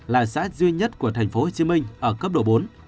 là xã duy nhất của tp hcm ở cấp độ bốn